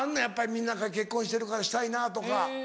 やっぱりみんな結婚してるからしたいなとか。